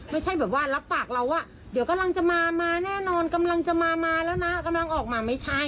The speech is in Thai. ไม่ใช่แบบว่ารับปากเราว่าเดี๋ยวกำลังจะมามาแน่นอนกำลังจะมามาแล้วนะกำลังออกมาไม่ใช่